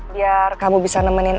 biar kamu bisa nemenin